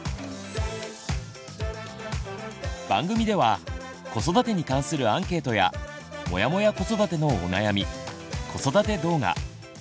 番組では子育てに関するアンケートや「モヤモヤ子育て」のお悩み子育て動画のびろ！